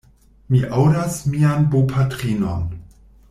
Mi aŭdas mian bopatrinon.